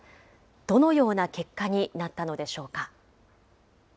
どのような結果になったのでしょうか。